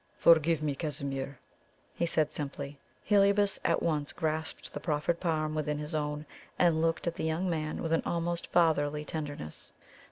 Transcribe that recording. "Forgive me, Casimir!" he said simply. Heliobas at once grasped the proffered palm within his own, and looked at the young man with an almost fatherly tenderness.